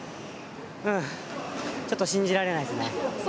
ちょっと信じられないですね。